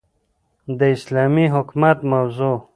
داسلامي حكومت موضوع